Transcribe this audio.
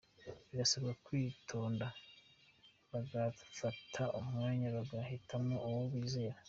Barasabwa kwitonda bagafata umwanya bagahitamo uwo bizera.